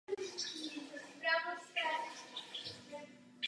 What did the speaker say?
U nových materiálů by neměl být ale žádný problém.